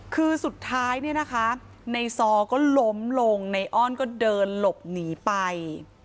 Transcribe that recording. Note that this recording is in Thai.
คือสุดท้ายเนี่ยนะคะในซอก็ล้มลงในอ้อนก็เดินหลบหนีไป